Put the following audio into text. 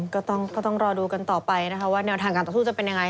ก็ต้องรอดูกันต่อไปว่าแนวทางการตัวสู้จะเป็นอย่างไร